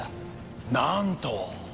なんと！